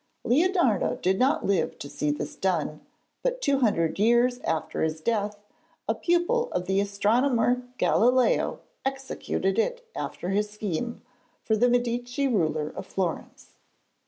Leonardo did not live to see this done, but two hundred years after his death a pupil of the astronomer Galileo executed it after his scheme, for the Medici ruler of Florence.